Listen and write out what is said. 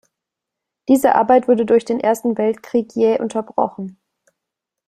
Diese Arbeit wurde durch den Ersten Weltkrieg jäh unterbrochen.